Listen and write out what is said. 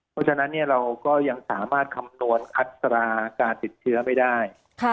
เพราะฉะนั้นเราก็ยังสามารถคำนวณอัตราการติดเชื้อไม่ได้